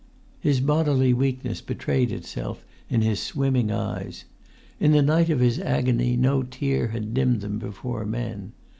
His bodily weakness betrayed itself in his swimming eyes; in the night of his agony no tear had dimmed them before men.